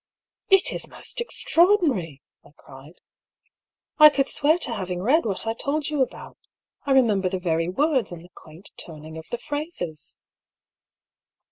" It is most extraordinary !" I cried. " I could swear to having read what I told you about. I remember the very words and the quaint turning of the phrases."